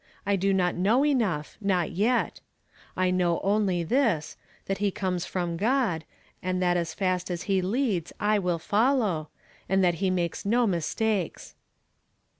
I do not know enougli — not yet. I know only this ; that lie conies from God, and that as fast as he leads I will follow ; and that he makes no mis takes."